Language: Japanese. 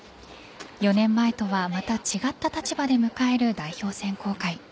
４年前とはまた違った立場で迎える代表選考会。